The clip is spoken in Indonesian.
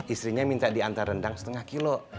istrinya minta diantar rendang setengah kilo